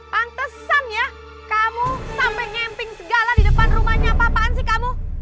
pantesan ya kamu sampai nyemping segala di depan rumahnya papaan sih kamu